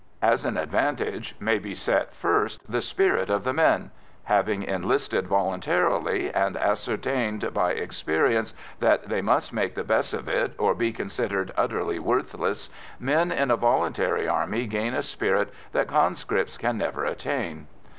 As an advantage may be set first the spirit of the men; having enlisted voluntarily, and ascertained by experience that they must make the best of it or be considered utterly worthless, men in a voluntary army gain a spirit that conscripts can never attain.